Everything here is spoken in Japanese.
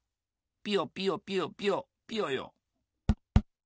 ピヨピヨピヨピヨピヨヨ。